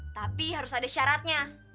tapi harus ada syaratnya